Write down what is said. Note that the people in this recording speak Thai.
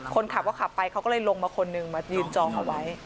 คนขับก็ขับไปเขาก็เลยลงมาคนหนึ่งมายืนจองเอาไว้